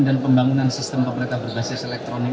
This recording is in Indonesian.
dan pembangunan sistem pemerintah berbasis elektronik